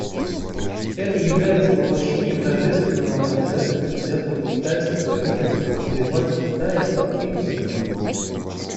Это является воплощением тожественного обязательства, взятого китайским правительством, развивать в Китае спортивную деятельность.